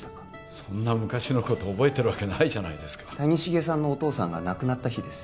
そんな昔のこと覚えてるわけない谷繁さんのお父さんが亡くなった日です